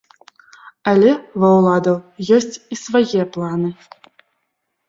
Але ва ўладаў ёсць і свае планы.